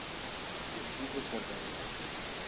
Virgilio Ferreira